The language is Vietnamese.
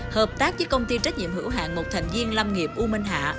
hợp tác với công ty trách nhiệm hữu hạng một thành viên lâm nghiệp u minh hạ